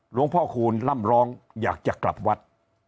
หลวงพ่อคูณล่ำร้องอยากจะกลับวัด